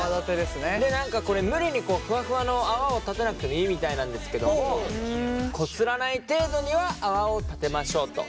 で何かこれ無理にふわふわの泡を立てなくてもいいみたいなんですけどもこすらない程度には泡を立てましょうと。